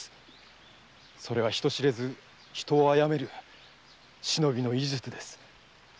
それは人知れず人を殺める忍びの医術です。